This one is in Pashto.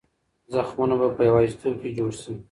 زخمونه به په یوازیتوب کې جوړ شي.